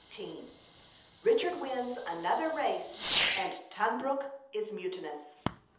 RICHARD WINS ANOTHER RACE, AND TUNBROOK IS MUTINOUS.